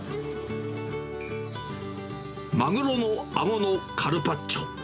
マグロのあごのカルパッチョ。